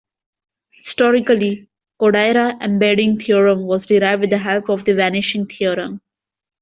Historically, Kodaira embedding theorem was derived with the help of the vanishing theorem.